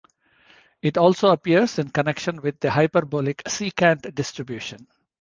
It also appears in connection with the hyperbolic secant distribution.